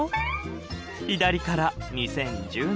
左から２０１０年